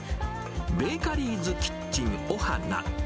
ベーカリーズキッチンオハナ。